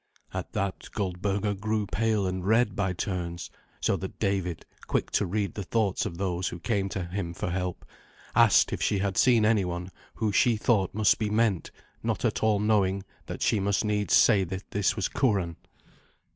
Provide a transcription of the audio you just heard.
At that Goldberga grew pale and red by turns, so that David, quick to read the thoughts of those who came to him for help, asked if she had seen anyone who she thought must be meant, not at all knowing that she must needs say that this was Curan.